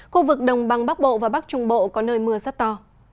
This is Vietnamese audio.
khu vực đồng bằng bắc bộ và bắc trung bộ có nơi mưa rất to